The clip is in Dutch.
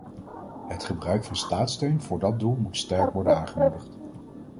Het gebruik van staatssteun voor dat doel moet sterk worden aangemoedigd.